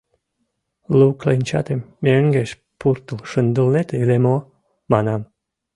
Лу кленчатым мӧҥгеш пуртыл шындылнет ыле мо, манам?